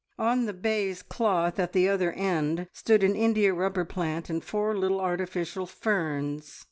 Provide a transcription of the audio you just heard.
On the baize cloth at the other end stood an indiarubber plant and four little artificial ferns.